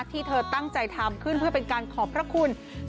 ที่เธอตั้งใจทำขึ้นเพื่อเป็นการขอบพระคุณ